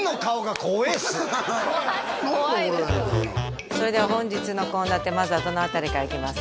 怖いですそれでは本日の献立まずはどの辺りからいきますか？